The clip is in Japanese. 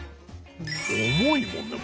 重いもんね。